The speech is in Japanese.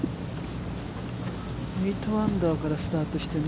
８アンダーからスタートしてね。